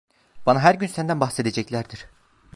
Bana her gün senden bahsedeceklerdir.